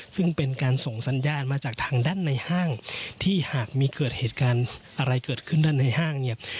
ซึ่งเป็นการส่งสัญญาณมาจากทางด้านในห้างที่หากมีเกิดเหตุการณ์อะไรเกิดขึ้นด้านในห้างเนี่ย